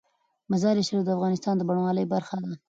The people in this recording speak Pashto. مزارشریف د افغانستان د بڼوالۍ برخه ده.